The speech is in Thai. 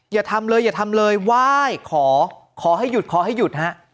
อย่าทำเลยอย่าทำเลยไหว้ขอขอให้หยุดขอให้หยุดฮะ